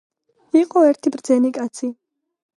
იყო ერთი ბრძენი კაცი.